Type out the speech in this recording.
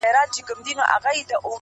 • لا درته ګوري ژوري کندي -